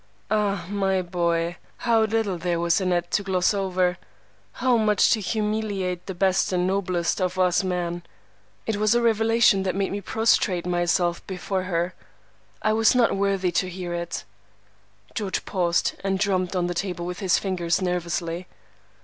Ah, my boy, how little there was in it to gloss over! how much to humiliate the best and noblest of us men! It was a revelation that made me prostrate myself before her. I was not worthy to hear it." George paused, and drummed on the table with his fingers nervously.